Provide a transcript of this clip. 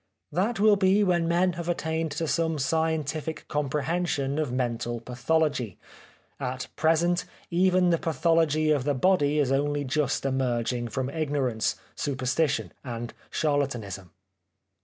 That will be when men have at tained to some scientific comprehension of mental pathology. At present even the pathology of the body is only just emerging from ignorance, superstition and charlatanism.